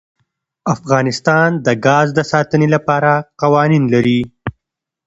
افغانستان د ګاز د ساتنې لپاره قوانین لري.